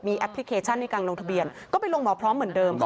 แอปพลิเคชันในการลงทะเบียนก็ไปลงหมอพร้อมเหมือนเดิมค่ะ